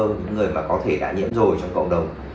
những người mà có thể đã nhiễm rồi trong cộng đồng